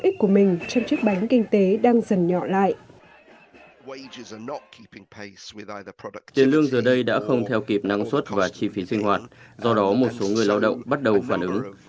tiền lương giờ đây đã không theo kịp năng suất và chi phí sinh hoạt do đó một số người lao động bắt đầu phản ứng